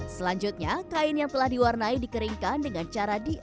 selanjutnya kain yang telah diwarnai dikeringkan dengan cara diangkat